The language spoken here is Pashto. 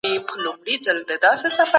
خپله ټولنه په پوهه او علم ودانه کړئ.